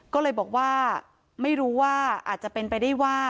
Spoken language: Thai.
ก็เลยบอกว่าไม่รู้ว่าอาจจะเป็นไปได้ว่า